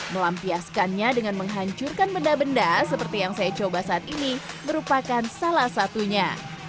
melampiaskannya dengan menghancurkan benda benda seperti yang saya coba saat ini merupakan salah satunya